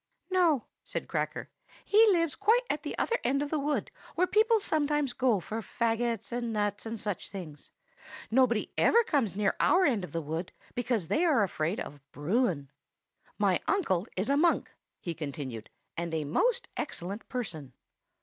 "No," said Cracker. "He lives quite at the other end of the wood, where people sometimes go for fagots and nuts and such things. Nobody ever comes near our end of the wood, because they are afraid of Bruin. "My uncle is a Munk," he continued, "and a most excellent person."